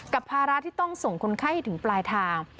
ภาระที่ต้องส่งคนไข้ถึงปลายทาง